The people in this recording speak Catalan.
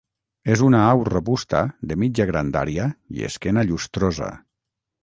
És una au robusta de mitja grandària i esquena llustrosa.